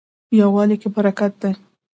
یووالي کې برکت دی